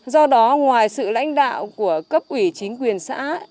do đó ngoài sự lãnh đạo của cấp ủy chính quyền xã